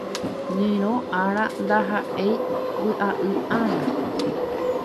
Ñyrõ Ára ndahaʼéi vyʼaʼỹ ára.